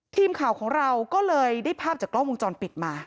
ทีมข่าวของเราก็เลยได้ภาพจากกล้องวงจรปิดมา